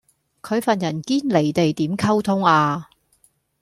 佢份人堅離地點溝通呀